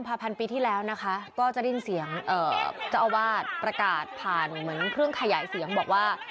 คลิปนี้๙กุมภาพันธ์ปีที่แล้วนะคะก็จะยินเสียงเอ่อจะเอาวาสประกาศผ่านเหมือนเครื่องขยายเสียงบอกว่า